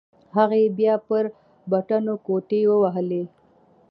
هغه بيا پر بټنو گوټې ووهلې.